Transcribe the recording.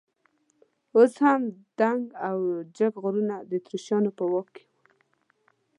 اوس هم دنګ او جګ غرونه د اتریشیانو په واک کې وو.